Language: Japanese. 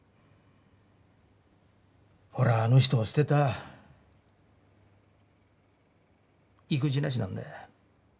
俺はあの人を捨てた意気地なしなんだよ。